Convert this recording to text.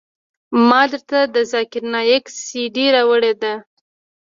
ما درته د ذاکر نايک سي ډي راوړې ده.